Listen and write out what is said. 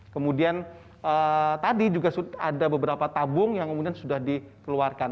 kemudian tadi juga ada beberapa tabung yang kemudian sudah dikeluarkan